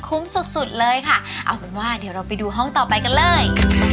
สุดสุดเลยค่ะเอาเป็นว่าเดี๋ยวเราไปดูห้องต่อไปกันเลย